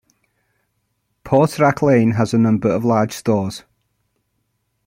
Portrack Lane has a number of large stores.